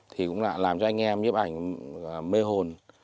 thì cũng là làm cho anh em nhếp ảnh mê hồn